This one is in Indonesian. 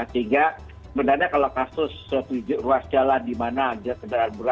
sehingga sebenarnya kalau kasus ruas jalan dimana aja kendaraan berat itu cukup banyak